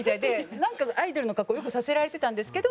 なんかアイドルの格好よくさせられてたんですけど。